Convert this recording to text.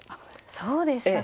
そうでしたか。